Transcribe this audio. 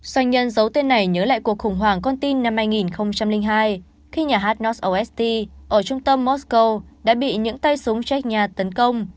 doanh nhân giấu tên này nhớ lại cuộc khủng hoảng con tin năm hai nghìn hai khi nhà hát north ost ở trung tâm mosco đã bị những tay súng jack nhà tấn công